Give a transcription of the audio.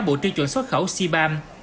bộ truy chuẩn xuất khẩu cbam